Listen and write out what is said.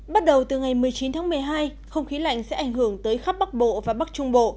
bắt đầu từ ngày một mươi chín tháng một mươi hai không khí lạnh sẽ ảnh hưởng tới khắp bắc bộ và bắc trung bộ